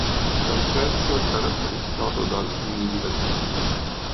L'accesso è caratterizzato da alcuni gradini.